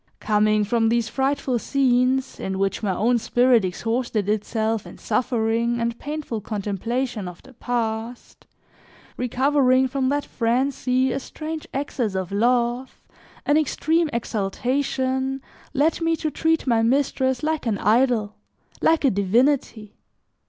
Coming from these frightful scenes, in which my own spirit exhausted itself in suffering and painful contemplation of the past; recovering from that frenzy, a strange access of love, an extreme exaltation, led me to treat my mistress like an idol, like a divinity.